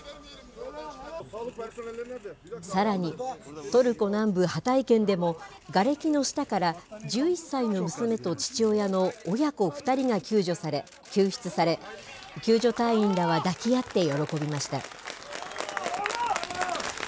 さらに、トルコ南部ハタイ県でも、がれきの下から、１１歳の娘と父親の親子２人が救出され、救助隊員らは抱き合って喜びました。